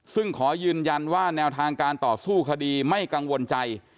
ซึ่งขอยืนยันว่าแนวทางการต่อสู้คดีไม่กังวลใจ